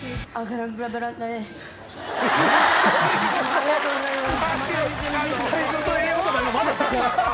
ありがとうございます。